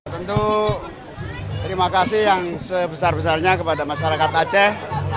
tentu terima kasih yang sebesar besarnya kepada masyarakat aceh